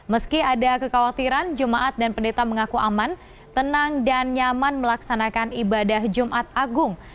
meski ada kekhawatiran jemaat dan pendeta mengaku aman tenang dan nyaman melaksanakan ibadah jumat agung